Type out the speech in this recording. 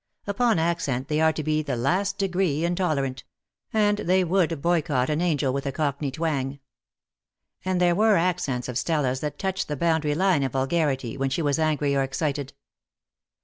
Upon accent they are to the last degree intolerant; and they would boycot an angel with a cockney twang. And there were accents of Stella's that touched the boundary line of vulgarity, when she was angry or excited.